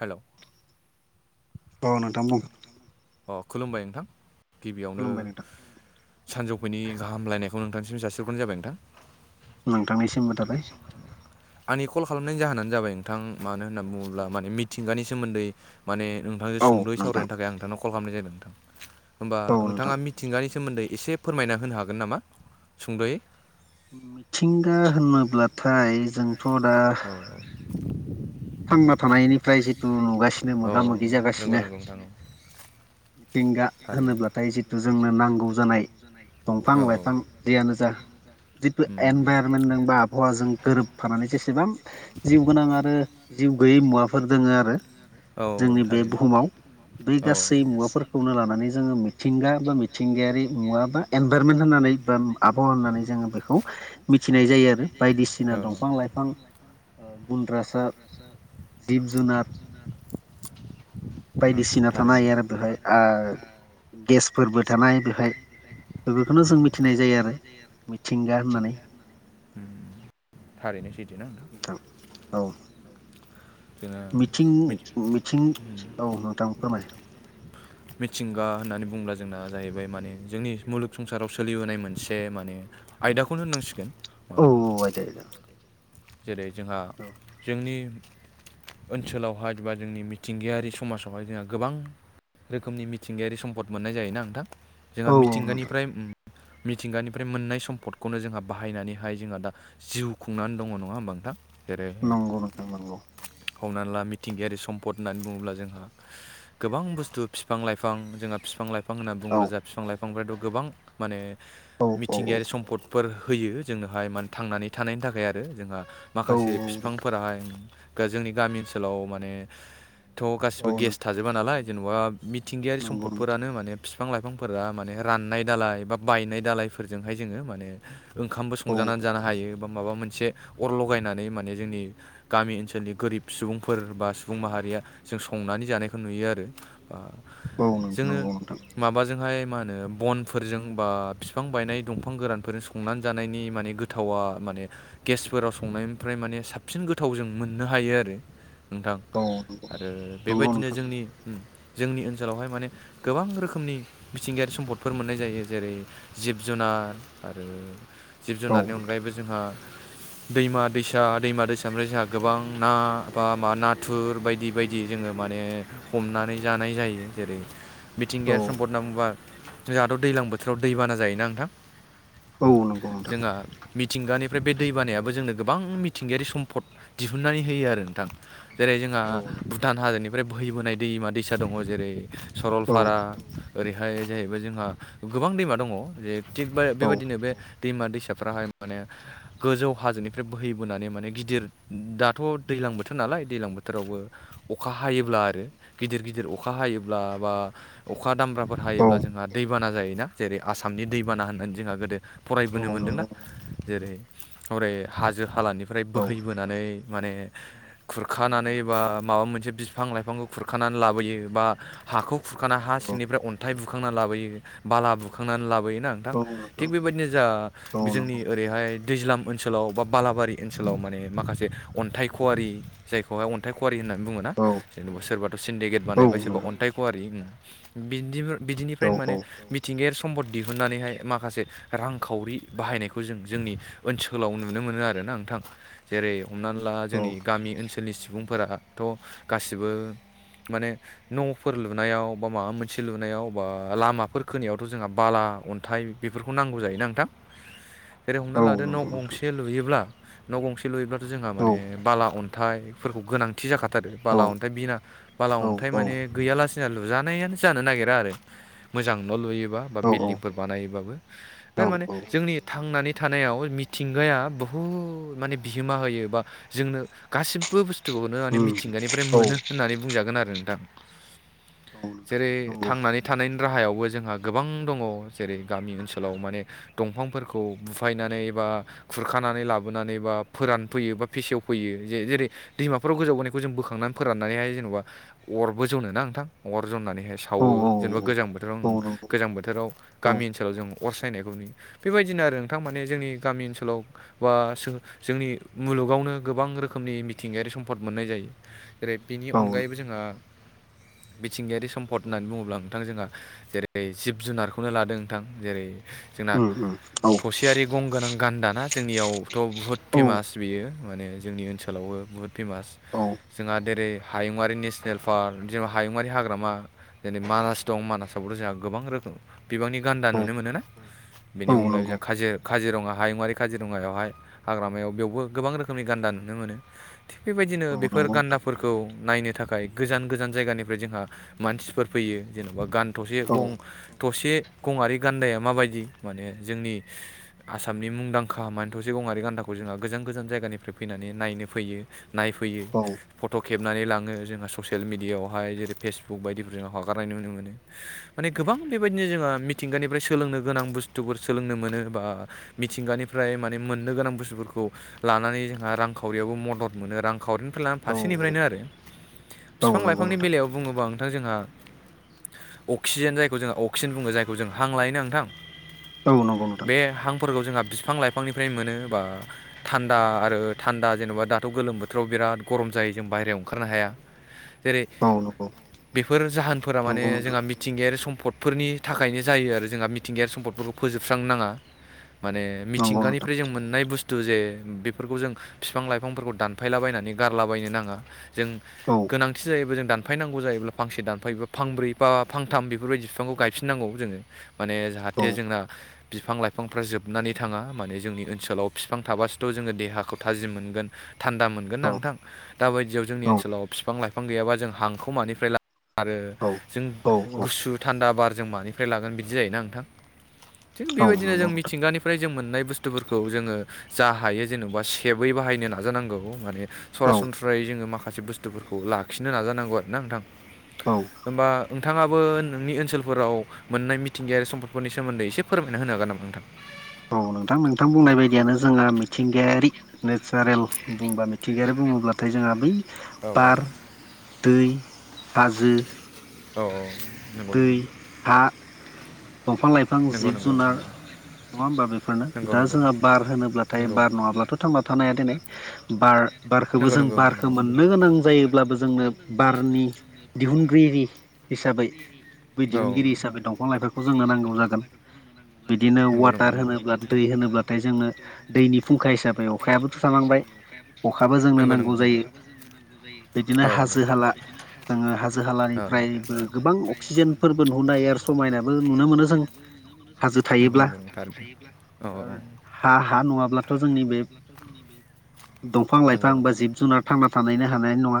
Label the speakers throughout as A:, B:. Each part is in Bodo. A: हेल'।
B: औ नोंथां बुं।
A: अ खुलुम
B: खुलुमबाय नोंथां
A: सानजौफुनि गाहामहामलायनायखौ नोंथांसिम जासिहरग्रोनाय जाबाय नोंथां।
B: नोंथांनिसिमबो थाबाय।
A: आंनि कल खालामनायनि जाहोनानो जाबाय नोंथां मानो होनना बुङोब्ला माने मिथिंगानि सोमोन्दै माने नोंथांजों
B: औ
A: सुंद'यै
B: नोंथां
A: सावरायनो थाखाय आं नोंथांनाव कल खालामनाय जादों नोंथां होमबा
B: औ नोंथां
A: नोंथाङा मि थिंगानि सोमोन्दै एसे फोरमायना होनो हागोन नामा सुंद'यै?
B: मिथिंगा होनोब्लाथाय जोंथ' दा
A: औ
B: थांना थानायनिफ्राय जितु नुगासिनो मोगा
A: औ औ
B: मोगि
A: नंगौ
B: जागासिनो
A: नंगौ नोंथां औ
B: मिथिंगा होनोब्लाथाय जितु जोंनो नांगौ जानाय दंफां
A: औ औ
B: लाइफां दैयानो जा जितु
A: जिथु उम
B: एनभाइरनमेन्टजों बा आबहावाजों गोरोबफानानै जेसेबां जिउ गोनां आरो जिउ गोैयै मुवाफोर दोङो आरो
A: औ
B: जोंनि बे
A: थारैनो
B: बुहुमाव बै
A: औ
B: गासै मुवाफोरखौनो लानानै जोङो मिथिंगा बा मिथिंगायारि मुवा बा एनभाइरमेन्ट होननानै बा आबहावानानै जोङो बेखौ मिथिनाय जायो आरो बायदिसिना दंफां लाइफां ओ गुन्द्रासा जिब जुनार बायदिसिना थानो हायो आरो बेवहाय आ गेसफोरबो थानाय बेहाय बेफोरखौनो जों मिथिनाय जायो आरो मिथिंगा होननानै
A: उम थारैनो सैथो ना नों
B: थां औ।
A: जोङो
B: मिथिं
A: मिथि
B: मिथिं
A: उम
B: औ नोंथां फोरमाय।
A: मिथिंगा होननानै बुंङोब्ला जोंना जाहैबाय माने जोंनि मुलुग संसाराव सोलिबोनाय मोनसे माने आयदाखौनो होननांसिगोन
B: औ [inaudible]
A: जेरै जोंहा जोंनि ओनसोलावहाय बा जोंनि मिथिंगायारि समाजावहाय जोंहा गोबां रोखोमनि मिथिंगायारि सम्पद मोननाय जायो ना नोंथां जोंहा
B: औ औ नोंथां
A: मिथिंगानिफ्राय मिथिंगानिफ्राय मोननाय सम्पदखौनो जोंहा बाहायनानैहाय जोंहा दा जिउ खुंनानै दङ' नङा होनबा नोंथां जेरै
B: नंगौ नोंथां नंगौ
A: हमना ला मिथिंगायारि सम्पद होननानै बुङोब्ला जोंहा गोबां बुस्थु फिफां लाइफां जोंहा फिफां लाइ फां होनना
B: औ
A: बुंङोब्ला जोहा फिफां लाइफांफ्राथ' गोबां माने
B: औ
A: मिथिंगायारि
B: औ
A: सम्फद फोर होयो जोंनोहाय माने थांनानै थानायनि थाखाय आरो जोंहा
B: औ
A: माखासे
B: औ
A: फिफांफोराहाय गो जोंनि गामि ओनसोलाव माने थ'
B: औ
A: गासिबो गेस
B: नोंथां
A: थाजोबा नालाय जेन'बा मिथिंगायारि
B: नंगौ नोंथां
A: सम्दफोरानो माने बिफां लाइफांफोरा माने राननाय दालाय बा बायनाय दालायफोरजों हाय जोङो माने ओंखामबो
B: औ
A: संजानानै जानो हायो बा माबा मोनसे अर लगायनानै माने जोंनि गामि ओनसोलनि गोरिब सुबुंफोर बा सुबुं माहारिया जौ संनानै जानायखौ नुयो आरो ओ
B: औ नों नोंगौ नोंथां।
A: माबाजोंहाय मा होनो बनफोरजों बा बिफां बायनाय दंफां गोरानफोरजों संनानै जानायनि माने गो गोथावा माने गेसफोराव संनायनिफ्राय माने साबसिन गोथाव जों मोननो हायो आरो। नोंथां
B: औ नंगौ
A: आरो
B: नोंथां नंगौ
A: बेबायदिनो
B: नोंथां
A: जोंनि जोंनि ओनसोलावहाय माने गोबां रोखोमनि मिथिंगायारि सम्फदफोर मोननाय जायो जेरै जिब जुनार आरो जिब
B: औ
A: जुनारनि
B: नोंथां
A: अनगायैबो जोंहा दैमा दैसा दैमा दैसा निफ्राय जोंहा गोबां ना बा मा नाथुर बायदि बायदि बि जोङो माने हमनानै जानाय जायो जेरै
B: औ
A: मिथिंगायारि सम्पद होनना बुंबा जोंहाथ' दैलां बोथोराव दैबाना जायोना नोंथां?
B: औ नंगौ नोंथां
A: जोंहा मिथिंगानिफ्राय बे दै
B: औ
A: बानायाबो जोंनो गोबां मिथिंगायारि सम्पद दिहुननानै होयो आरो नोंथां जेरै जोंहा
B: औ
A: भुटान हादरनि ओमफ्राय बोहैबोनाय दैमा दैसा दङ जेरै
B: औ
A: सरलपारा ओरैहाय जाहैबाय जोंहा गोबां दैमा दङ जे थिग बे
B: औ
A: बेबादिनो बे दैमा दैसाफ्राहाय माने गोजौ हाजोनिफ्राय बोहैबोनानै माने गिदिर दाथ' दैलां बोथोर नालाय दैलां बोथोरावबो अखा हायोब्ला आरो गिदिर गिदिर अखा हायोब्ला बा अखा दामब्राफोर
B: औ
A: हायोब्ला जोंहा दैबाना जायोना जेरै आसामनि दैबाना होननानै जोंहा गोदो
B: औ
A: फरायबोनो मोन्दोंना
B: नंगौ
A: जेरै हरै हाजो-हालानिफ्राय
B: औ
A: बोहैबोनानै माने खुरखानानै बा माबा मोनसे बिफां लाइफांखौ खुरखानानै लाबोयो बा हाखौ खुरखाना हा
B: औ
A: सिंनिफ्राय अन्थाइ बुखांना लाबोयो बाला बुखांनानै लाबोयो ना?
B: औ नोंथां
A: थिग बेबायदिनो जा
B: औ
A: जोंनि
B: नंगौ
A: ओरैहाय दैज्लाम ओनसोलाव बा बालाबारि ओनसोलाव माने माखासे अन्थाइ ख'वारि जायखौहाय अन्थाइ खुवारि होननानै बुङो ना
B: औ
A: जेनेबा सोरबाथ' सिन्डिकेट
B: औ नंगौ
A: बानायबाय सोरबा अन्थाइ ख'वारि उम बिदि
B: औ
A: बिदिनिफ्रायनो माने बिदि थिंगायारि सम्पद दिहुननानैहाय माखासे रांखावरि बाहायनायखौ जों जोंनि ओनसोलाव नुनो मोनो आरो ना नोंथां? जेरै हमनानै ला
B: औ
A: जोंनि गामि ओनसोलनि सुबुंफोराथ' गासिबो माने न'फोर लुनायाव बा माबा मोनसे लुनायाव बा लामाफोर खोनायावथ' जोंहा बाला अन्थाइ बेफोरखौ नांगौ जायोना नोंथां जेरै हमना
B: औ
A: लादो न'
B: नंगौ नोंथां
A: गंसे लुयोब्ला न' गंसे लुयोब्लाथ' जोंहा माने बाला अन्थाइफोरखौ गोनांथि जाखाथारो
B: औ
A: बाला अन्थाइ बिना बाला
B: औ
A: अन्थाइ माने गैयालासिनो लुजानायानो जानो नागिरा आरो मोजां न' लुयोबा बा
B: औ
A: बिल्डिंफोर बानायबाबो
B: औ
A: थारमाने
B: औ
A: जोंनि थांनानै थानायाव मिथिंगाया बुहुद माने बिहोमा होयो बा जोंनो गासिबो बुस्थुखौनो माने
B: उम
A: मिथिंगानिफ्राय
B: औ
A: मोनो होननानै बुंजागोन आरो नोंथां। [inaudible] जेरै थांनानै थानायनि राहायावबो जोंहा गोबां दङ जेरै गामि ओनसोलाव माने दंफांफोरखौ बुफायनानै बा खुरखानानै लाबोनानै बा फोरानफैयो बा फेसेवफैयो जे-जेरै दैमाफोराव गोजाव बोनायखौ जों बोखांनानै फोराननानैहाय जेनेबा अरबो जनो ना नोंथां अर जननानैहाय सावो जेनेबा गोजां बोथोराव
B: नोंथां नंगौ
A: गोजां बोथोराव
B: औ
A: गामि ओनसोलाव जों अर सायनायखौ नुयो बेबायदिनो आरो नोंथां माने जोंनि गामि ओनसोलाव बा सो जोंनि मुलुगावनो गोबां रोखोमनि मिथिंगायारि सम्पद मोननाय जायो। जेरै बिनि
B: औ औ नंगौ औ
A: अनगायैबो
B: नंगौ
A: जोंहा मिथिंगायारि सम्फद
B: औ
A: होननानै बुङोब्ला नोंथां जोंहा जेरै जेरै जिब जुनारखौनो लादों नोंथां जेरै जोंना
B: उम उम औ
A: थसेयारि गं गोनां गान्दाना जोंनियावथ' बुहुत
B: औ
A: फेमास बेयो माने जोंनि ओनसोलावबो बुहुत फेमास
B: औ
A: जोंहा जेरै हायुङारि नेसनेल पार्क जेनबा हायुङारि हाग्रामा जेरै मानास दं मानासावबोथ' जोंहा गोबां रोखोम बिबांनि गान्दा
B: औ औ
A: नुनो मोनोना? बेनि अनगायैबो
B: नंगौ
A: जोंहा काजि-काजिरङा हायुङारि काजिरङायावहाय हाग्रामायाव बेवबो गोबां रोखोमनि गान्दा नुनो मोनो। थिग बेबायदिनो
B: औ
A: बेफोर
B: नंगौ नोंथां
A: गान्दाफोरखौ नायनो थाखाय गोजान गोजान जायगानिफ्राय जोंहा मानसिफोर फैयो जेन'बा गान थसे
B: औ
A: गं थसे गंआरि गान्दाया माबायदि माने जोंनि आसामनि मुंदांखा माने थसे गंआरि गान्दाखौ जोंहा गोजान गोजान जायगानिफ्राय फैनानै नायनो फैयो। नायफैयो।
B: औ
A: फट' खेबनानै लाङो जोंहा ससियेल मिडियाआवहाय जेरै फेसबुक बायदिफोरजों हगारनाय नुनो मोनो। माने गोबां बेबायदिनो जोंहा मिथिंगानिफ्राय सोलोंनो गोनां बुस्थुफोर सोलोंनो मोनो बा मिथिंगानिफ्राय माने मोननो गोनां बुस्थुफोरखौ लानानै जोंहा रांखावरियावबो मदद मोनो रांखावरि फोर
B: औ
A: फारसेनिफ्रायनो आरो।
B: औ
A: फिफां
B: नंगौ
A: लाइफांनि
B: नोंथां
A: बेलायाव बुङोबा आं नोंथां जोंहा अक्सिजेन जायखौ जोंहा अक्सिजेन बुङो जायखौ जों हां लायो ना नोंथां
B: औ नंगौ। नोंथां
A: बे हांफोरखौ जोंहा बिफां लाइफांनिफ्राय मोनो बा थान्दा आरो थान्दा जेन'बा दाथ' गोलोम बोथोराव बिराद गरम जायो। जों बायहेरायाव ओंखारनो हाया जेरै
B: औ नंगौ।
A: बेफोर जाहोनफोरा माने
B: नंगौ नोंथां
A: जोंहा मिथिंगायारि सम्फदफोरनि थाखायनो जायो आरो जोंहा मिथिंगायारि सम्फदफोरखौ फोजोबस्रांनो नाङा। माने
B: नंगौ नोंथां
A: मिथिंगानिफ्राय जों मोननाय बुस्थु जे बेफोरखौ जों फिफां लाइफांफोरखौ दानफायलाबायनानै गारलाबायनो नाङा, जों
B: औ
A: गोनांथि जायोबो जों दान दानफायनांगौ जायोब्ला फांसे दानफायोबा फां ब्रै बा फांथाम बेफोरबायदि बिफांखौ गायफिनांगौ जोङो। माने
B: औ
A: जाहाथे जोंना बिफां लाइफांफ्रा जोब नानै थाङा। माने जोंनि ओनसोलाव फिफां थाबासोथ' जोङो देहाखौ थाजिम मोनगोन। थान्दा मोनो ना
B: औ
A: नोंथां, दा बायदियाव जोंनि ओनसोलाव फिफां लाइफां गैयाबा जों हांखौ मानिफ्राय ला आरो
B: औ
A: जों
B: औ औ
A: गुसु थान्दा बार जों मानि फ्राय लागोन बिदि जायोना नोंथां? थिग
B: औ
A: बेबायदिनो
B: नंगौ
A: जों मि
B: नोंथां
A: गानिफ्राय जों मोननाय बुस्थुफोरखौ जोङो जा हायो जेनेबा सेबै बाहायनो नाजानांगौ माने
B: औ
A: सरासनस्रायै जोङो माखासे बुस्थुफोरखौ लाखिनो नाजानांगौ आरोना नोंथां।
B: औ।
A: होमबा नोंथाङाबो नोंनि ओनसोलफोराव मोननाय मिथिंगायारि सम्पदफोरनि सोमोन्दै एसे फोरमाय होनो हागोन नामा नोंथां?
B: औ नोंथां नोंथां बुंनाय बायदियानो जोंहा मिथिंगायारि नेचारेल बुंबा मिथिंगायारि बुङोब्लाथाय जोंहा बै
A: औ
B: बार, दै, हाजो,
A: औ औ। नंगौ
B: दै,
A: नंगौ
B: हा, दंफां लाइफां,
A: नंगौ
B: जिब
A: नंगौ
B: जुनार,
A: नोंथां
B: नङा होमबा बेफोरनो?
A: नंगौ
B: दा
A: नंगौ
B: जोंहा बार होनोब्लाथाय
A: नंगौ
B: बार नङाब्लाथ' थांना थानो हाया दोनाय बार-बारखौबो
A: नंगौ
B: जों
A: नंगौ नोंथां
B: बारखौ
A: नंगौ
B: मोननो गोनां जायोब्लाबो जोंनो बारनि दिहुनगिरि हिसाबै बे
A: औ
B: दिहुनगिरि हिसाबै दंफां लाइफांखौ जोंनो नांगौ जागोन। बिदिनो
A: नंगौ नंगौ
B: वाटार
A: नंगौ
B: होनोब्ला दै होनोब्लाथाय जोङो दैनि फुंखा हिसाब ओमफ्राय अखायाबोथ' थालांबाय अखाबो जोंनो
A: नंगौ
B: नांगौ
A: नंगौ नंगौ
B: जायो। बिदिनो
A: जायो औ
B: हाजो हाला जोङो हाजो
A: औ
B: हालानिफ्रायबो गोबां अक्सिजेनफोरबो नुनाय आरो समायनाबो नुनो मोनो जों, हाजो थायोब्ला
A: [unintelligible] औ
B: आरो
A: औ
B: हा हा नङाब्लाथ' जोंनि बे दंफां
A: नंगौ
B: लाइफां बा
A: नंगौ
B: जिब जुनार थांना थानायनो हानाय नङा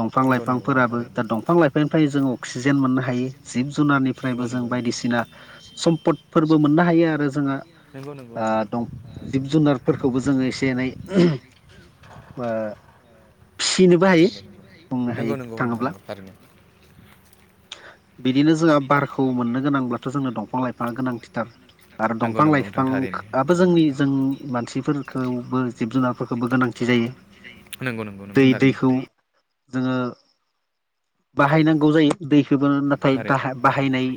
B: दंफां
A: नंगौ नंगौ नोंथां
B: लाइफांफोराबो
A: थारैनो
B: दा दंफां लाइफांनिफ्राय जों अक्सिजेन जेन मोननो हायो जिब जुनारनिफ्रायबो जों बायदिसिना सम्पदफोरबो मोननो हायो आरो जोंहा
A: नंगौ नंगौ
B: ओ दं
A: नंगौ।
B: जिब जुनारफोरखौबो जोङो एसे एनै बा फिसिनोबो हायो,
A: जों बायदिसिना सम्पदफोरबो मोननो
B: बुंनो
A: नंगौ नंगौ
B: हायो
A: नोंथां
B: थाङोब्ला।
A: नंगौ आरो
B: बिदिनो जोंहा बारखौ मोननो गोनांब्लाथ' जोंनो दंफां लाइफाङा गोनांथिथार आरो
A: नंगौ
B: दंफां लाइ
A: नंगौ
B: बिफां बो जोंनि जों मानसिफोरखौबो जिब जुनारफोरखौबो गोनांथि जायो दै
A: नोंथां थारैनो
B: दैखौ जोङो बाहायनांगौ जायो दैखौबो नाथाय बाह बाहायनाय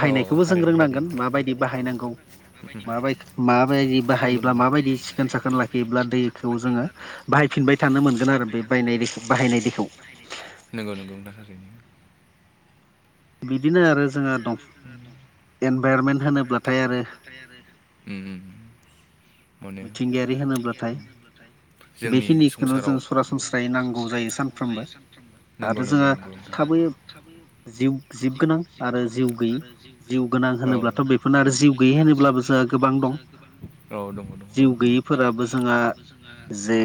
A: दाबो जोंनि मानसिफोरनोबो टेक्न'लजिखौबो गोनांथि जायो नंगौ थारैनो औ औ
B: जों
A: थारैनो थारैनो
B: रोंनांगोन
A: नोंथां
B: माबायदि बाहायनांगौ माबाय माबायदि बाहायोब्ला माबायदि सिखोन साखोन लाखियोब्ला दैखौ जोङो बाहायफिनबाय थानो मोनगोन आरो बे बायनाय बाहायनाय दैखौ
A: नंगौ नंगौनि थाखायनो
B: बिदिनो आरो जोङो दं इनभाइरमेन्ट होनोब्लाथाय आरो
A: [unintelligible] मोनो
B: मिथिंगायारि होनोब्लाथाय
A: जोंनि
B: बेखिनिखौनो जों
A: संसाराव
B: सरासनस्रायै नांगौ जायो सानफ्रोमबो
A: नंगौ
B: आरो
A: नंगौ
B: जोंहा
A: नोंथां
B: थाबै जिउ जिब गोनां आरो जिउ गैयि जिउ गोनां
A: औ
B: होनोब्लाथ' बेफोरनो आरो जिउ गैयि होनोब्लाबो जोंहा गोबां दं
A: औ दङ दङ
B: जिउ
A: सान
B: गैयिफोराबो जोंहा जे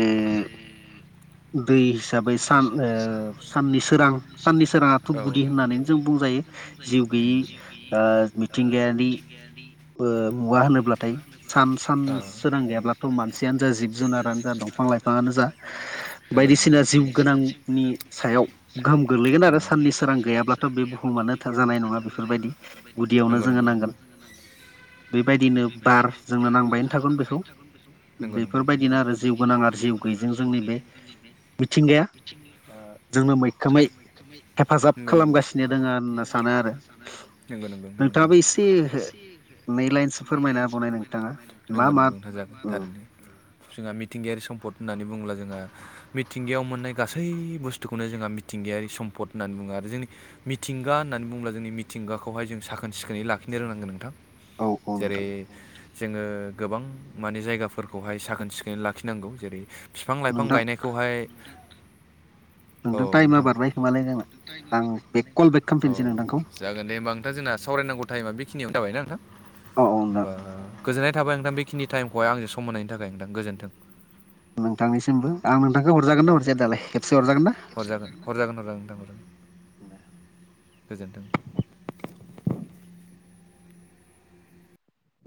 B: दै हिसाबै सान साननि सोरां साननि सोराङाथ' गुदि होननानै जों बुंजायो जिउ गैयि मिथिंगायारि
A: [unintelligible]
B: मुगा होनोब्लाथाय सान सान सोरां गैयाब्लाथ' मानसियानो जा जिब जुनारानो जा दंफां लाइफां बिफाङानो जा
A: नंगौ नंगौ
B: बायदिसिना जिउ गोनांनि सायाव गोहोम गोग्लैगोन आरो साननि सोरां गैयाब्ला अब्लाथ' बे बुहुमानो जानाय नङा बेफोरबायदि
A: नंगौ
B: गुदियावनो जोङो
A: नंगौ नंगौ
B: नांगोन बेबायदिनो बार जोंनो नांबायानो थागोन बेखौ
A: [unintelligible]
B: बेफोरबायदिनो आरो जिउ गोनां आरो जिउ गैयिजों जोंनि बे मिथिंगाया
A: [unintelligible]
B: जोंनो मैखोमै हेफाजाब
A: नंगौ नंगौ
B: खालामगासिनो दङ आरो नोंथाङाबो एसे
A: [unintelligible]
B: नै लाइनसो फोरमायना बनाय नोंथाङा मा
A: नंगौ
B: मा
A: नंगौ नोंथां जागोन थारैनो जोंहा मिथिंगायारि सम्पद होननानै बुङोब्ला जोंहा मिथिंगायाव मोननाय गासै बुस्थुखौनो जोंहा मिथिंगायारि सम्पद होन्नानै बुङो आरो जोंनि मिथिंगा होननानै बुंङोब्ला जोंनि मिथिंगाखौहाय जों साखोन सिखोनै लाखिनो रोंनांगोन नोंथां
B: औ औ
A: जेरै
B: नोंथां
A: जोङो गोबां माने जायगाफोरखौहाय साखोन सिखोनै लाखिनांगौ जेरै बिफां लाइफां
B: नोंथां
A: गायनायखौहाय औ
B: नोंदों टाइमा
A: नोंथां
B: बारबाय खोमालाय जों आं बेक कल बेक
A: औ
B: खालामफिनसै नोंथांखौ
A: जागोन दे होमबा नोंथां जोंना सावरायनांगौ टाइमा बेखिनियावानो जाबायनाा नोंथां
B: औ औ नोंथां
A: होमबा गोजोननाय थाबाय नोंथां बेखिनि टाइमखौहाय आंजों सम मोनायनायनि थाखाय नोंथां गोजोन्थों
B: नोंथांनिसिमबो आं नोंथांखौरजागोन दा हरजाया दालाय खेबसे हरजागोन दा
A: हरजागोन हरजागोन हरजागोन नोंथां हराग गोजोनथों